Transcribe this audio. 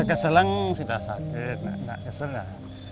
kekeselan sudah sakit enggak keselan